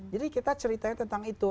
jadi kita ceritanya tentang itu